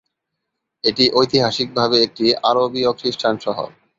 এটি ঐতিহাসিকভাবে একটি আরবীয় খ্রিস্টান শহর।